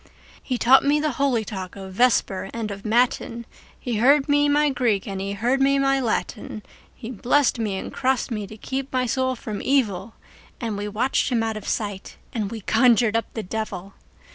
He taught me the holy talk of Vesper and of Matin, He heard me my Greek and he heard me my Latin, He blessed me and crossed me to keep my soul from evil, And we watched him out of sight, and we conjured up the devil!